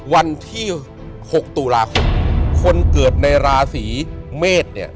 วันที่๖ตุลาคมคนเกิดในราศีเมษเนี่ย